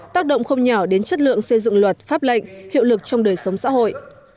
tác động không nhỏ đến chất lượng xây dựng luật pháp lệnh hiệu lực trong đời sống xã hội